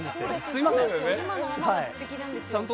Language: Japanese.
すみません。